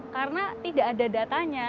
karena tidak ada datanya